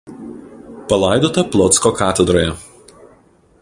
Palaidota Plocko katedroje.